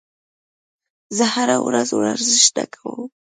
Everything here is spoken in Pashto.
زه هره ورځ ورزش نه کوم.